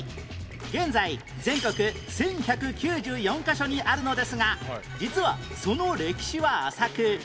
現在全国１１９４カ所にあるのですが実はその歴史は浅く